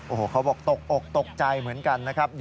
โอ้โหเขาบอกตกอกตกใจเหมือนกันนะครับ